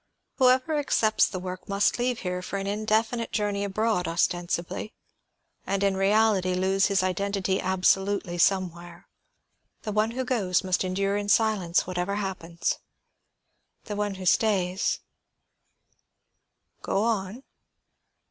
Whoever accepts the work must leave here for an indefinite journey abroad, ostensibly; and in reality lose his identity absolutely somewhere. The one who goes must endure in silence whatever happens; the one who stays " "Go on."